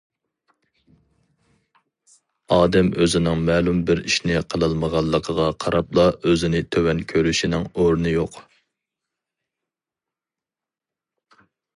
ئادەم ئۆزىنىڭ مەلۇم بىر ئىشنى قىلالمىغانلىقىغا قاراپلا ئۆزىنى تۆۋەن كۆرۈشىنىڭ ئورنى يوق.